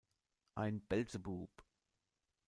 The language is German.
Ein Beelzebub.